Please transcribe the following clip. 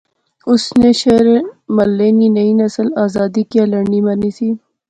اس نے شہرے ملخے نی نئی نسل آزادی کیا لڑنی مرنی سی